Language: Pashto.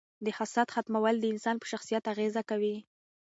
د حسد ختمول د انسان په شخصیت اغیزه کوي.